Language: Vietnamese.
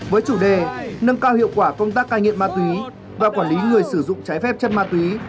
với chủ đề nâng cao hiệu quả công tác cai nghiện ma túy và quản lý người sử dụng trái phép chất ma túy